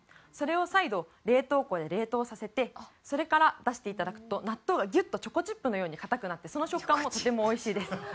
それを再度冷凍庫で冷凍させてそれから出して頂くと納豆がギュッとチョコチップのように硬くなってその食感もとても美味しいです。